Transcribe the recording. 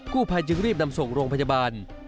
ผู้ภัยจึงรีบนำส่งโรงพยาบาล